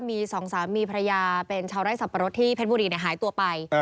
มีสองสามีภรรยาเป็นชาวไร่สับปะรดที่เพชรบุรีหายตัวไป